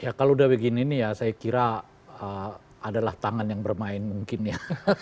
ya kalau udah begini nih ya saya kira adalah tangan yang bermain mungkin ya